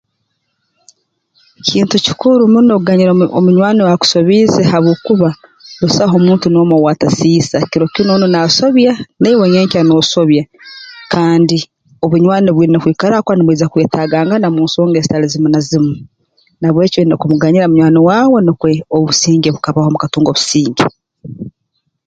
Kintu kikuru muno kuganyira omu omunywani owaakusobiize habwokuba busaho muntu n'omu owaatasiisa kiro kinu onu naasobya naiwe nyenkya noosobya kandi obunywani bwina kwikaraho habwokuba nimwija kwetaagangana mu nsonga ezitali zimu na zimu na habw'eki oine kumuganyira munywani waawe nukwe obusinge bukabaho mukatunga obusinge